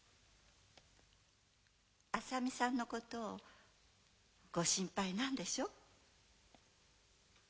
浅見さんのことをご心配なんでしょう？